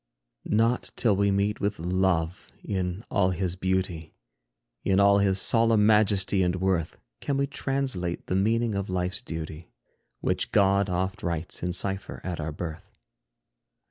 Not till we meet with Love in all his beauty, In all his solemn majesty and worth, Can we translate the meaning of life's duty, Which God oft writes in cypher at our birth.